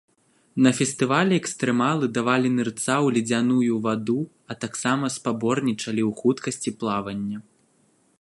На фестывалі экстрэмалы давалі нырца ў ледзяную ваду, а таксама спаборнічалі ў хуткасці плавання.